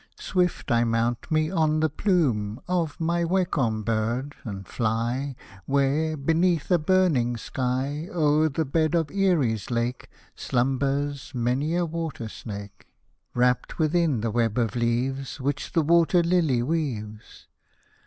Swift I mount me on the plume Of my Wakon Bird, and fly Where, beneath a burning sky, O'er the bed of Erie's lake Slumbers many a water snake. Hosted by Google INDIAN CHANT 103 Wrapt within the web of leaves, Which the water Hly weaves.